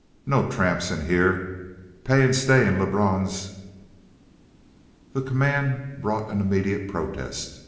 No tramps in here. Pay and stay in Lebrun's!" The command brought an immediate protest.